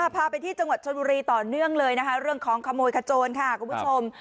พาไปที่จังหวัดชนบุรีต่อเนื่องเลยนะคะเรื่องของขโมยขโจรค่ะคุณผู้ชม